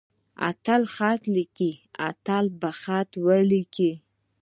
اتل خط ليکي. اتل به خط وليکي.